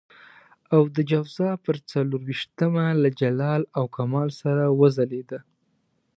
او د جوزا پر څلور وېشتمه له جلال او کمال سره وځلېده.